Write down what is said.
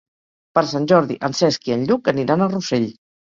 Per Sant Jordi en Cesc i en Lluc aniran a Rossell.